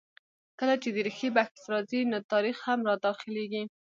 کله چې د ریښې بحث راځي؛ نو تاریخ هم را دا خلېږي.